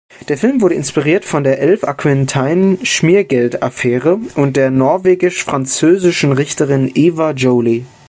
Der Film wurde inspiriert von der Elf-Aquitaine-Schmiergeldaffäre und der norwegisch-französischen Richterin Eva Joly.